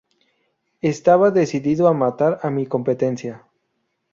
Estaba decidido a "matar a mi competencia.